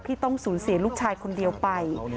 ต้องสูญเสียลูกชายคนเดียวไป